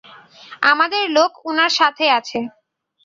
আমাদের লোক উনার সাথে আছে।